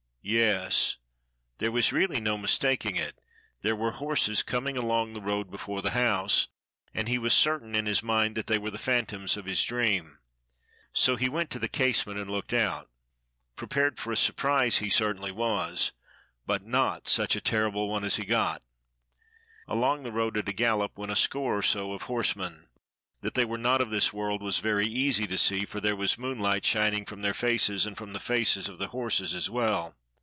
Yes, there was really no mistaking it, there were horses coming along the road before the house, and he was certain in his mind that they were the phantoms of his dream. So he went to the casement and looked out. Prepared for a surprise he certainly was, but not such a terrible one as he got. Along the road at a gallop went a score or so of horsemen: that they were not of this world was very easy to see, for there was moonlight 58 DOCTOR SYN shining from their faces and from the faces of the horses as well.